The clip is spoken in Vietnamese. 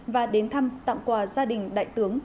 và đến thăm tặng quà gia đình đại tướng